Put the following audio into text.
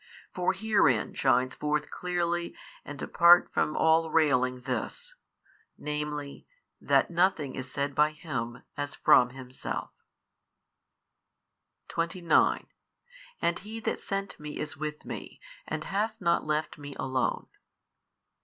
For herein shines forth clearly and apart from all railing this, viz. that nothing is said by Him [as from Himself]. 29 And He That sent Me is with Me, and hath not left Me alone.